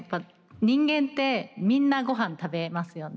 人間ってみんなごはん食べますよね。